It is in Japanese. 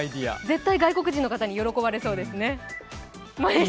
絶対外国人の方に喜ばれそうですね。